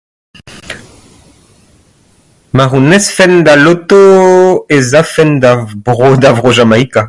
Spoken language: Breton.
Ma c'hounezfen d'al Loto ez afen da vro, da vro Jamaika.